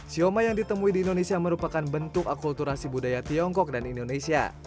sioma yang ditemui di indonesia merupakan bentuk akulturasi budaya tiongkok dan indonesia